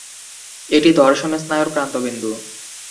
এটি দর্শন স্নায়ুর প্রান্তবিন্দু।